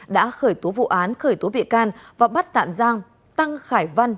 đã khởi tố vụ án khởi tố bị can và bắt tạm giam tăng khải văn